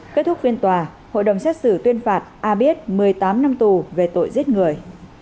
kết thúc phiên tòa hội đồng xét xử tuyên phạt a biết một mươi tám năm tù về tội giết người